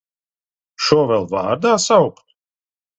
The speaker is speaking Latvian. Šo vēl vārdā saukt!